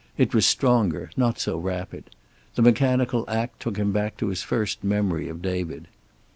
It was stronger, not so rapid. The mechanical act took him back to his first memory of David.